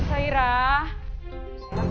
ya gak ada orang diswiping